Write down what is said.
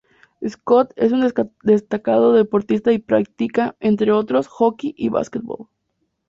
Scott es un destacado deportista y practica, entre otros, hockey y basketball.